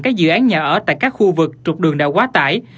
các dự án nhà ở tại các khu vực trục đường đã quá tải